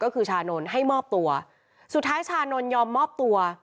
ก็คือชานนท์ให้มอบตัวสุดท้ายชานนท์ยอมมอบตัว